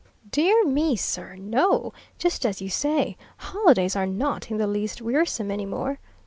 "Dear me, sir, no! Just as you say. Holidays are not in the least wearisome any more.